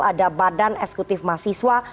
ada badan eksekutif mahasiswa